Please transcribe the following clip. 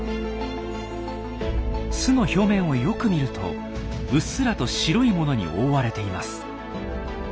巣の表面をよく見るとうっすらと白いものに覆われています。